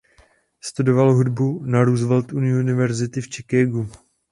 Studoval hudbu na Roosevelt University v Chicagu.